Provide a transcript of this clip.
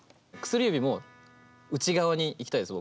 薬指も内側にいきたいです